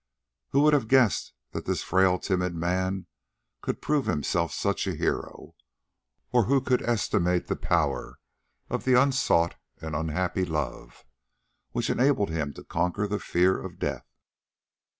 Who would have guessed that this frail timid man could prove himself such a hero, or who could estimate the power of the unsought and unhappy love which enabled him to conquer the fear of death?